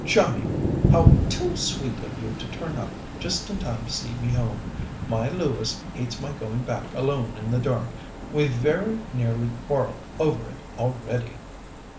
"Johnnie! How too sweet of you to turn up just in time to see me home! My Lewis hates my going back alone in the dark; we've very nearly quarrelled over it already."